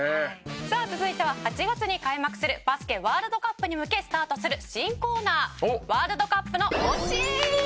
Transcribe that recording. さあ続いては８月に開幕するバスケワールドカップに向けスタートする新コーナーＷ杯の推し！